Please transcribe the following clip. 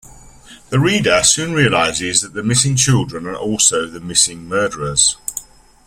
The reader soon realizes that the missing children are also the missing murderers.